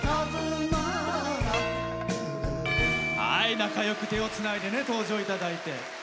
仲よく手をつないで登場いただいて。